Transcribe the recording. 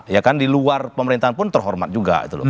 ya kan di luar pemerintahan pun terhormat juga gitu loh